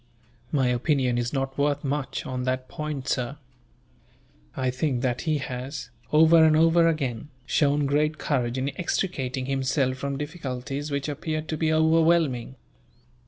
"My opinion is not worth much, on that point, sir. I think that he has, over and over again, shown great courage in extricating himself from difficulties which appeared to be overwhelming.